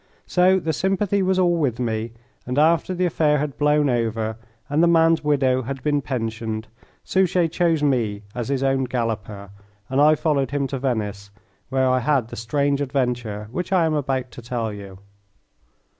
So the sympathy was all with me, and after the affair had blown over and the man's widow had been pensioned Suchet chose me as his own galloper, and I followed him to Venice, where I had the strange adventure which I am about to tell you.